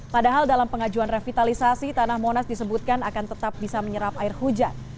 padahal dalam pengajuan revitalisasi tanah monas disebutkan akan tetap bisa menyerap air hujan